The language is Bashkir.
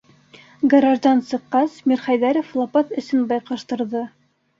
Гараждан сыҡҡас, Мирхәйҙәров лапаҫ эсен байҡаштырҙы.